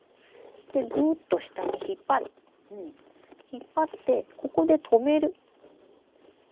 引っ張ってここで留める。